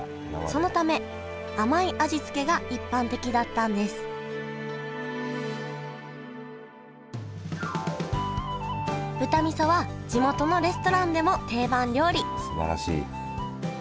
そのため甘い味付けが一般的だったんです豚味噌は地元のレストランでも定番料理すばらしい。